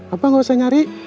abah gak usah nyari